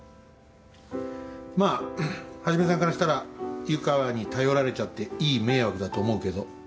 まあんんっ一さんからしたら湯川に頼られちゃっていい迷惑だと思うけど。